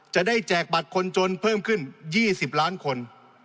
แจกบัตรคนจนเพิ่มขึ้น๒๐ล้านคน